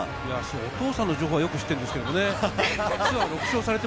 お父さんの情報は知ってるんですけどね。